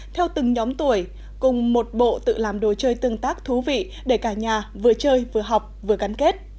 theo từng nhóm tuổi cùng một bộ tự làm đồ chơi tương tác thú vị để cả nhà vừa chơi vừa học vừa gắn kết